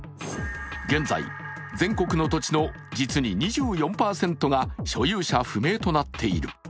現在、全国の土地の実に２４％が所有者不明となっている。